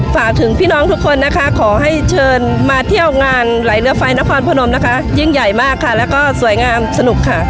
ฝากถึงพี่น้องทุกคนนะคะขอให้เชิญมาเที่ยวงานไหลเรือไฟนครพนมนะคะยิ่งใหญ่มากค่ะแล้วก็สวยงามสนุกค่ะ